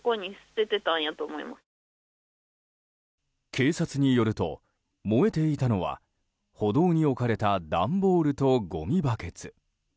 警察によると、燃えていたのは歩道に置かれた段ボールとごみバケツ。